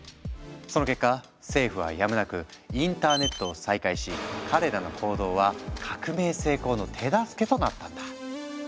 その結果政府はやむなくインターネットを再開し彼らの行動は革命成功の手助けとなったんだ。